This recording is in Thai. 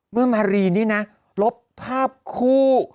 เมื่อมารีนเนี่ยนะลบภาพคู่